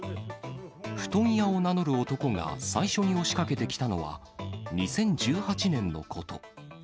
布団屋を名乗る男が最初に押しかけてきたのは、２０１８年のこと。